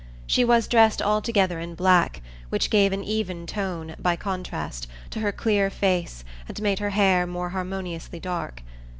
She was dressed altogether in black, which gave an even tone, by contrast, to her clear face and made her hair more harmoniously dark.